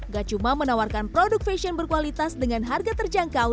gak cuma menawarkan produk fashion berkualitas dengan harga terjangkau